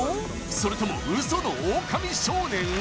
それともウソのオオカミ少年？